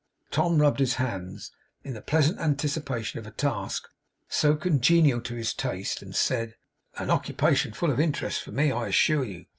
Tom rubbed his hands in the pleasant anticipation of a task so congenial to his taste, and said: 'An occupation full of interest for me, I assure you.